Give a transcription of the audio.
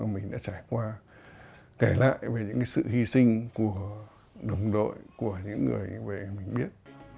mình đã trải qua kể lại về những sự hy sinh của đồng đội của những người về mình biết